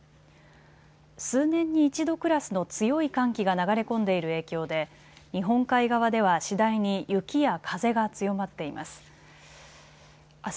数年に一度クラスの強い寒気が流れ込んでいる影響で日本海側では次第に雪や風が強まっています。